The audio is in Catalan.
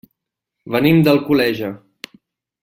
Venim d'Alcoleja.